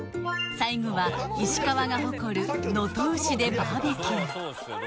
最後は石川が誇る能登牛でバーベキュー